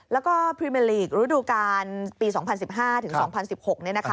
แล้วก็ปรีเมอร์ลีกฯฤดูกาลปี๒๐๑๕๒๐๑๖นะคะ